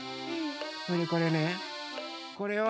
それでこれねこれは。